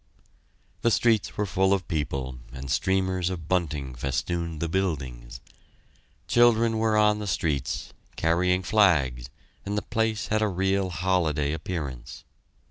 The streets were full of people, and streamers of bunting festooned the buildings. Children were on the streets, carrying flags, and the place had a real holiday appearance.